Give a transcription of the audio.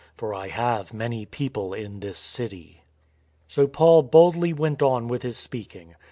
For I have many people in this city." So Paul boldly went on with his speaking.